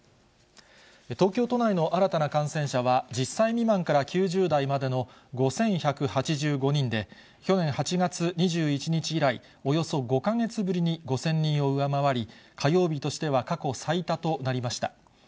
東京都内の新たな感染者は、１０歳未満から９０代までの５１８５人で、去年８月２１日以来、およそ５か月ぶりに５０００人を上回り、火曜日としては過去最多となりました。